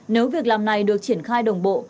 nếu việc làm này được triển khai đồng bộ